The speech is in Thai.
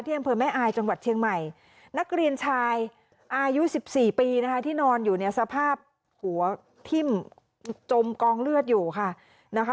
อำเภอแม่อายจังหวัดเชียงใหม่นักเรียนชายอายุ๑๔ปีนะคะที่นอนอยู่เนี่ยสภาพหัวทิ่มจมกองเลือดอยู่ค่ะนะคะ